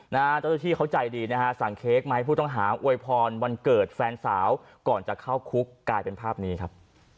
เจ้าหน้าที่เขาใจดีนะฮะสั่งเค้กมาให้ผู้ต้องหาอวยพรวันเกิดแฟนสาวก่อนจะเข้าคุกกลายเป็นภาพนี้ครับ